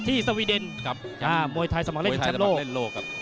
ที่สวีเดนครับอ่ามวยไทยสมัครเล่นแชมป์โลกมวยไทยสมัครเล่นโลกครับ